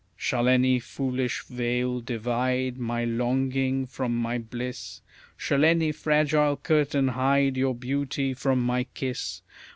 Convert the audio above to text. Shall any foolish veil divide my longing from my bliss? Shall any fragile curtain hide your beauty from my kiss?